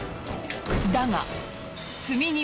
だが。